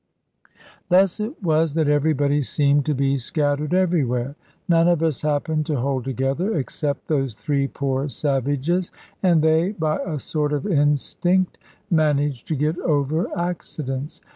Thus it was that everybody seemed to be scattered everywhere. None of us happened to hold together, except those three poor savages; and they, by a sort of instinct, managed to get over accidents.